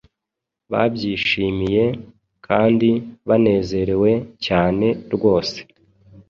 babyishimiye kandi banezerewe cyane rwose.